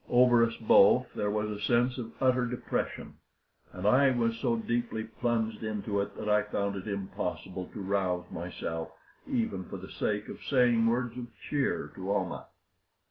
Over us both there was a sense of utter depression, and I was so deeply plunged into it that I found it impossible to rouse myself, even for the sake of saying words of cheer to Almah.